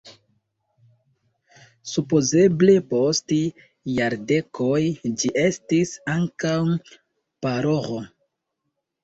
Supozeble post jardekoj ĝi estis ankaŭ paroĥo.